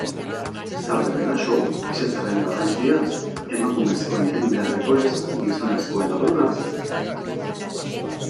Zer den eraso, ezetzaren garrantziaz, emakumezkoen egin beharrekoez, gizonezkoen arduraz...